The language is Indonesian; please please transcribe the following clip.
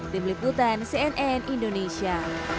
tim liputan cnn indonesia